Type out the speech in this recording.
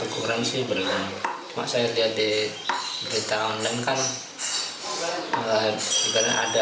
cuma saya lihat di berita online kan